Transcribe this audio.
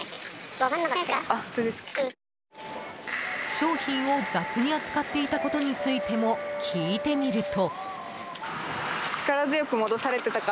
商品を雑に扱っていたことについても聞いてみると。